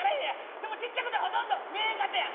「でもちっちゃくてほとんど見えへんかったやん」。